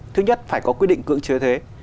thứ nhất phải có quyết định cưỡng chứa thuế